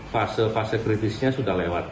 fase fase kritisnya sudah lewat